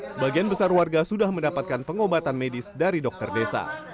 sebagian besar warga sudah mendapatkan pengobatan medis dari dokter desa